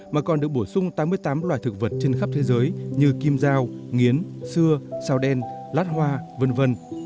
mà còn được bổ sung tám mươi tám loài thực vật trên khắp thế giới như kim dao nghiến xưa sao đen lát hoa v v